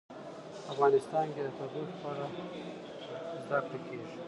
افغانستان کې د تودوخه په اړه زده کړه کېږي.